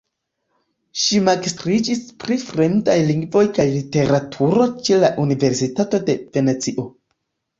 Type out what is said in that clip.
Ŝi magistriĝis pri Fremdaj lingvoj kaj Literaturo ĉe la Universitato de Venecio.